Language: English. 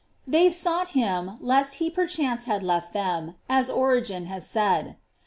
They sought him, lest he perchance had left them, as Origen has said.